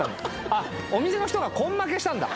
あっお店の人が根負けしたんだ？